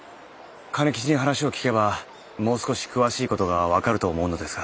兼吉に話を聞けばもう少し詳しいことが分かると思うのですが。